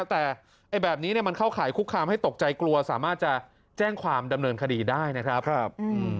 แต่แบบนี้มันเข้าข่ายคุกคามให้ตกใจกลัวสามารถจะแจ้งความดำเนินคดีได้นะครับ